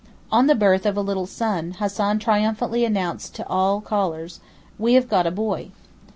On the birth of a little son Hassan triumphantly announced to all callers: 'We have got a boy.